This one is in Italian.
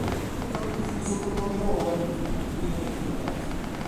Non va confuso col nome Rowan, a cui non è correlato.